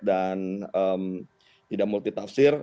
dan tidak multi tafsir